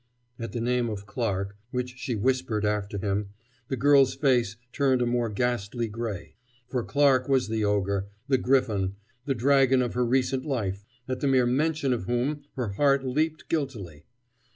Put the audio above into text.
at the name of "Clarke," which she whispered after him, the girl's face turned a more ghastly gray, for Clarke was the ogre, the griffon, the dragon of her recent life, at the mere mention of whom her heart leaped guiltily.